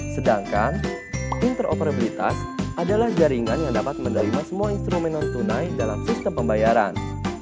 sedangkan interoperabilitas adalah jaringan yang dapat menerima semua instrumen non tunai dalam sistem pembayaran